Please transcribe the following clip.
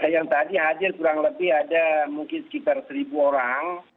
yang tadi hadir kurang lebih ada mungkin sekitar seribu orang